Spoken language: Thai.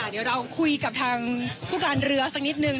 เดี๋ยวเราคุยกับทางผู้การเรือสักนิดนึง